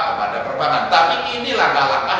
kepada perbankan tapi ini langkah langkah